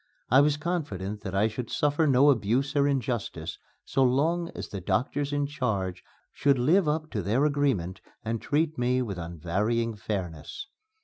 I was confident that I should suffer no abuse or injustice so long as the doctors in charge should live up to their agreement and treat me with unvarying fairness.